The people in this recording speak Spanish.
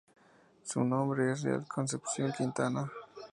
Su nombre real es Concepción Quintana.